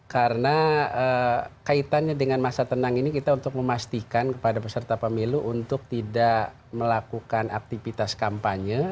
karena kaitannya dengan masa tenang ini kita untuk memastikan kepada peserta pemilu untuk tidak melakukan aktivitas kampanye